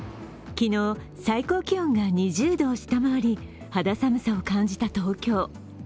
昨日、最高気温が２０度を下回り、肌寒さを感じた東京。